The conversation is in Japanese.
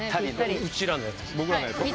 うちらのやつです。